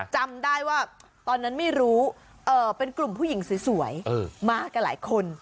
จำได้ว่าตอนนั้นไม่รู้เป็นกลุ่มผู้หญิงสวยมากับหลายคน